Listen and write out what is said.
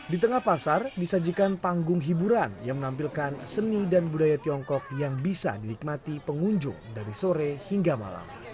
di tengah pasar disajikan panggung hiburan yang menampilkan seni dan budaya tiongkok yang bisa dinikmati pengunjung dari sore hingga malam